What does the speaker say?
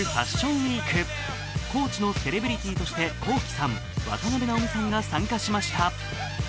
ウィークＣＯＡＣＨのセレブリティーとしてＫｏｋｉ，さん、渡辺直美さんが参加しました。